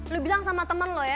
lu bilang sama temen lo ya